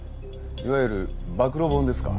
いわゆる暴露本ですか？